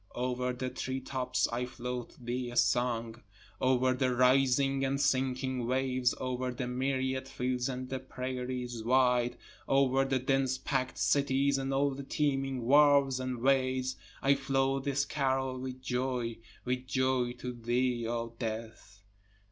Over the treetops I float thee a song, Over the rising and sinking waves, over the myriad fields and the prairies wide, Over the dense packed cities and all the teeming wharves and ways, I float this carol with joy, with joy to thee O death.